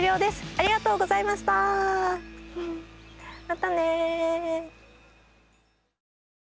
またね！